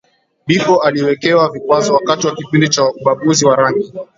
Biko aliwekewa vikwazo wakati wa kipindi cha ubaguzi wa rangi